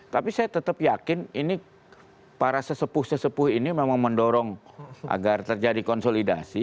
tapi saya tetap yakin ini para sesepuh sesepuh ini memang mendorong agar terjadi konsolidasi